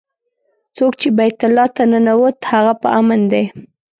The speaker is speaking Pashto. څوک چې بیت الله ته ننوت هغه په امن دی.